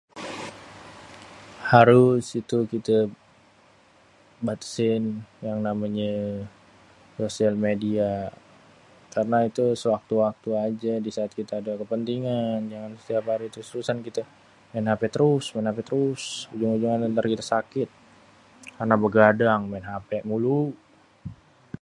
harus itu kite batesin yang namanye sosial media karna itu sewaktu-waktu aje disaat kita ade kepentingan jangan setiap hari kita terus-terusan main hape terus maen hape terus ujung-ujungannye tarjadi sakit karna begadang maen hape mulu.